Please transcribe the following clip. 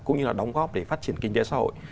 cũng như là đóng góp để phát triển kinh tế xã hội